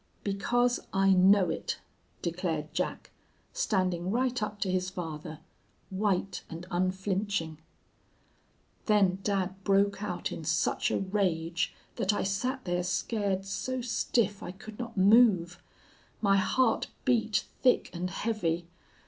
"Because I know it,' declared Jack, standing right up to his father, white and unflinching. "Then dad broke out in such a rage that I sat there scared so stiff I could not move. My heart beat thick and heavy.